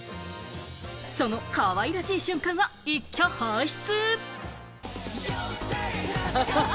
そのかわいらしい瞬間を一挙放出。